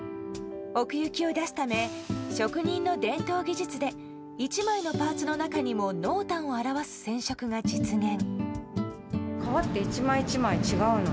奥行きを出すため職人の伝統技術で１枚のパーツの中にも濃淡を表す染色が実現。